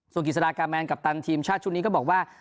ส่วนกิจสดากาแมนกัปตันทีมชาติชุดนี้ก็บอกว่า